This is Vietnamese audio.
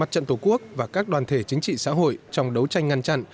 trận tổ quốc và các đoàn thể chính trị xã hội trong đấu tranh ngăn chặn